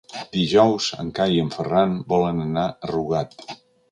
Dijous en Cai i en Ferran volen anar a Rugat.